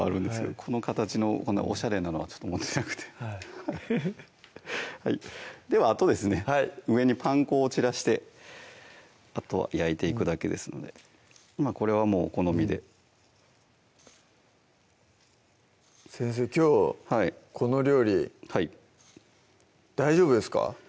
この形のこんなおしゃれなのは持ってなくてではあとですね上にパン粉を散らしてあとは焼いていくだけですのでこれはもうお好みで先生きょうこの料理はい大丈夫ですか？